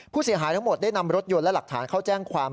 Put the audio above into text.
ผู้เสียหายทั้งหมดได้นำรถยนต์และหลักฐานเข้าแจ้งความ